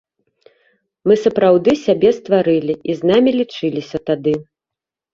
Мы сапраўды сябе стварылі, і з намі лічыліся тады.